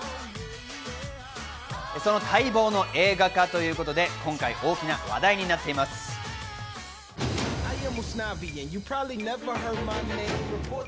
その待望の映画化ということで今回大きな話題になっています。